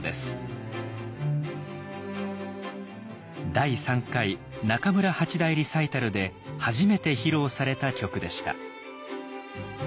第３回中村八大リサイタルで初めて披露された曲でした。